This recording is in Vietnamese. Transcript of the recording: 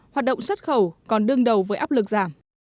hoạt động xuất khẩu còn đương đầu với áp lực giảm